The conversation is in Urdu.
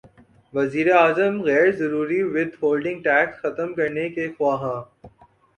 وزیراعظم غیر ضروری ود ہولڈنگ ٹیکس ختم کرنے کے خواہاں